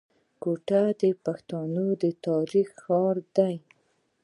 کوټه د پښتنو تاريخي ښار دی.